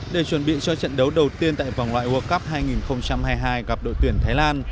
để chuẩn bị cho trận đấu đầu tiên tại vòng loại world cup hai nghìn hai mươi hai gặp đội tuyển thái lan